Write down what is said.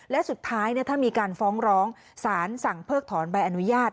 และสุดท้ายถ้ามีการฟ้องร้องสารสั่งเพิกถอนใบอนุญาต